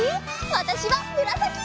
わたしはむらさき！